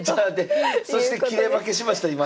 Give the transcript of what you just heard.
そして切れ負けしました今。